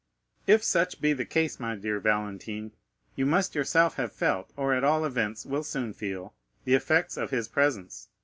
"If such be the case, my dear Valentine, you must yourself have felt, or at all events will soon feel, the effects of his presence.